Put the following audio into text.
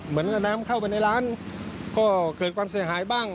เหมือนน้ำเข้าไปในร้านก็เกิดความเสียหายบ้าง